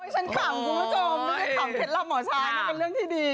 ฉันขำกู้จมไม่ได้ขำเพชรลับหมอช้านมันเรื่องที่ดี